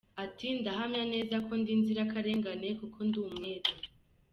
Ati “Ndahamya neza ko ndi inzirakarengane, kuko ndi umwere.